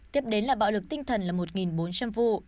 tiếp đến là bạo lực tinh thần là một bốn trăm linh vụ